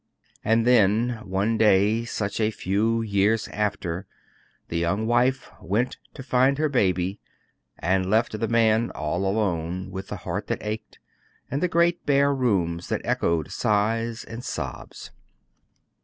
And then, one day, such a few years after, the young wife went to find her baby, and left the man all alone with the heart that ached and the great bare rooms that echoed sighs and sobs.